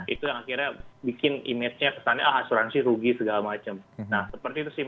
itu yang akhirnya bikin image nya pesannya asuransi rugi segala macam